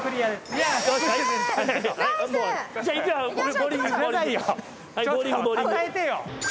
称えてよ！